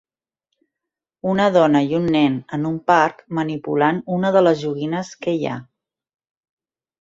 Una dona i un nen en un parc manipulant una de les joguines que hi ha